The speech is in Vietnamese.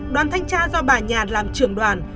đoàn thanh tra do bà nhàn làm trưởng đoàn